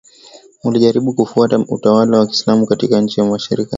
walijaribu kufuta utawala wa Kiislamu katika nchi za Mashariki ya